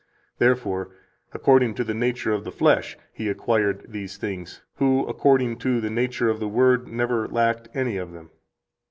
Therefore, according to the nature of the flesh He acquired these things who according to the nature of the Word never lacked any of them.